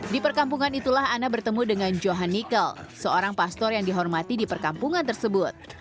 di perkampungan itulah anna bertemu dengan johan nikel seorang pastor yang dihormati di perkampungan tersebut